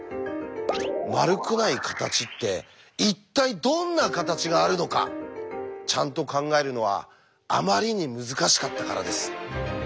丸くない形って一体どんな形があるのかちゃんと考えるのはあまりに難しかったからです。